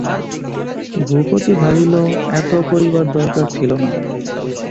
ভূপতি ভাবিল, এত করিবার দরকার ছিল না।